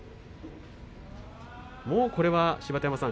もうこれは芝田山さん